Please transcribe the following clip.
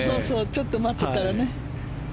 ちょっと待ってたらね。